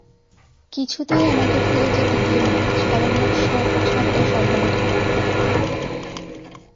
– কিছুতেই আমাকে ফিরে যেতে দিয়ো না ছলনার ছদ্মস্বর্গলোকে।